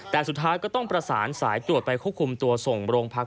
แต่สุดท้ายก็ต้องประสานสายตรวจไปควบคุมตัวส่งโรงพัก